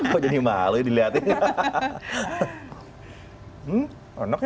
kok jadi malu dilihatin